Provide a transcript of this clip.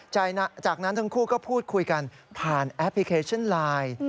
จากนั้นทั้งคู่ก็พูดคุยกันผ่านแอปพลิเคชันไลน์